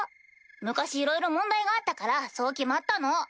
昔いろいろ問題があったからそう決まったの。